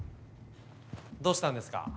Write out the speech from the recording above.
どうしたんですか？